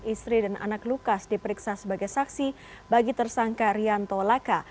istri dan anak lukas diperiksa sebagai saksi bagi tersangka rianto laka